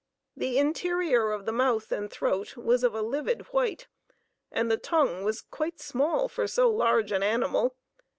The interior of the mouth and throat was of a livid white, and the tongue was quite small for so large an animal.